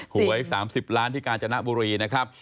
หวย๓๐ล้านที่กาญจนบุรีนะครับ